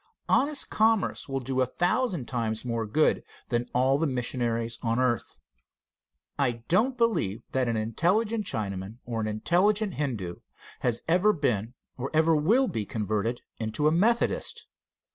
Honest commerce will do a thousand times more good than all the missionaries on earth. I do not believe that an intelligent Chinaman or an intelligent Hindoo has ever been or ever will be converted into a Methodist.